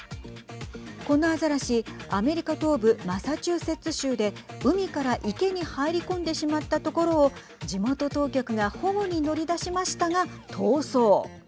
このアザラシアメリカ東部マサチューセッツ州で海から池に入り込んでしまったところを地元当局が保護に乗り出しましたが逃走。